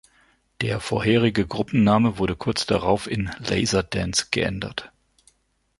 Der vorherige Gruppenname wurde kurz darauf in "Laser Dance" geändert.